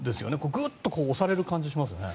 グーッと押される感じがしますよね。